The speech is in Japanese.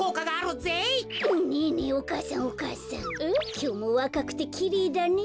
きょうもわかくてきれいだね。